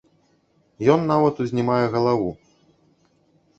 Ён нават узнімае галаву.